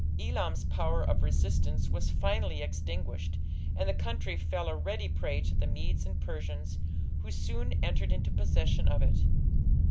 Elam's power of resistance was finally extinguished, and the country fell a ready prey to the Medes and Persians, who soon entered into possession of it.